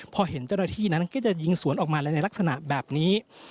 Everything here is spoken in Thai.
พอเห็นเจ้าหน้าที่นั้นก็จะยิงสวนออกมาเลยในลักษณะแบบนี้